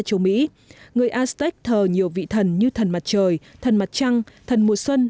châu mỹ người astec thờ nhiều vị thần như thần mặt trời thần mặt trăng thần mùa xuân